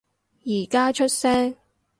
而家出聲